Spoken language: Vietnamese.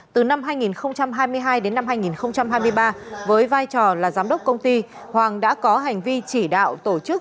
từ năm hai nghìn hai mươi hai đến năm hai nghìn hai mươi ba với vai trò là giám đốc công ty hoàng đã có hành vi chỉ đạo tổ chức